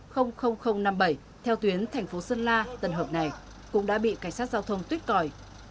f năm mươi bảy theo tuyến thành phố sơn la tần hợp này cũng đã bị cảnh sát giao thông tuyết còi